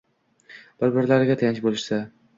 bir-birlariga tayanch bo‘lishsa